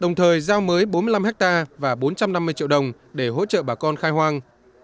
đồng thời giao mới bốn mươi năm hectare và bốn trăm năm mươi triệu đồng để hỗ trợ bà con khai hoang